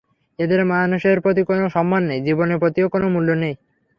এদের মানুষের প্রতি কোনো সম্মান নেই, জীবনের প্রতিও কোনো মূল্য নেই।